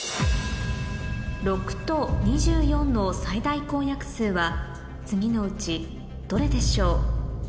６と２４の最大公約数は次のうちどれでしょう？